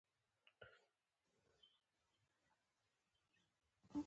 هغه فرعي سیسټمونه تشخیص کړئ او حفاظتي ټکي په پام کې ونیسئ.